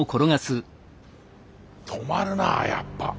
止まるなやっぱ。